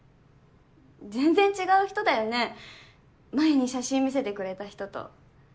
全然違う人だよね前に写真見せてくれた人と。